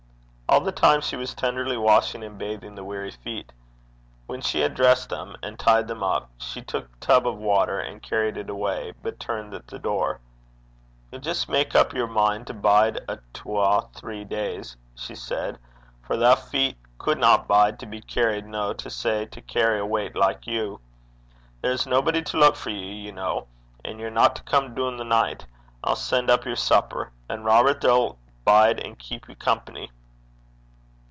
All the time she was tenderly washing and bathing the weary feet. When she had dressed them and tied them up, she took the tub of water and carried it away, but turned at the door. 'Ye'll jist mak up yer min' to bide a twa three days,' she said; 'for thae feet cudna bide to be carried, no to say to carry a weicht like you. There's naebody to luik for ye, ye ken. An' ye're no to come doon the nicht. I'll sen' up yer supper. And Robert there 'll bide and keep ye company.'